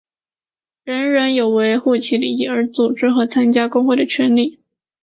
人人有为维护其利益而组织和参加工会的权利。